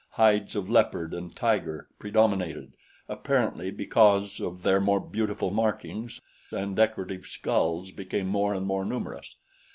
Hides of leopard and tiger predominated, apparently because of their more beautiful markings, and decorative skulls became more and more numerous.